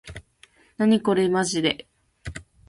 なにこれまじで